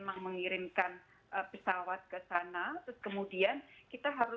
konektivitas yang di awal awal sulit sekali